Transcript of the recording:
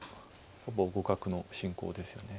ほぼ互角の進行ですよね。